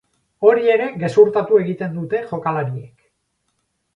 Hori ere gezurtatu egiten dute jokalariek.